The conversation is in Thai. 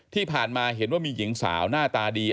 ที่ผ่านมาเห็นว่ามีหญิงสาวหน้าตาดี